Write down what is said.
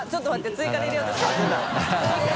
追加で入れようとしてる。